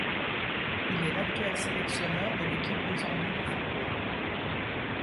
Il est l'actuel sélectionneur de l'Équipe de Zambie de football.